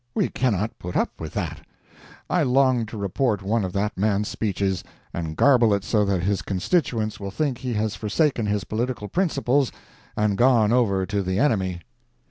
We cannot put up with that. I long to report one of that man's speeches, and garble it so that his constituents will think he has forsaken his political principles and gone over to the enemy.